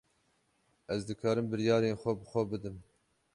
Ez dikarim biryarên xwe bi xwe bidim.